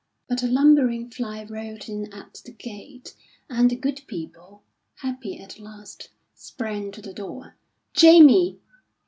But a lumbering fly rolled in at the gate, and the good people, happy at last, sprang to the door. "Jamie!"